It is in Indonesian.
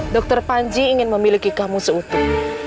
dokter panji ingin memiliki kamu seutuh